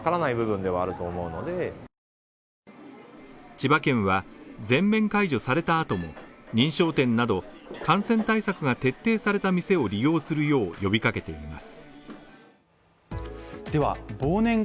千葉県は全面解除された後も、認証店など感染対策が徹底された店を利用するよう呼びかけています。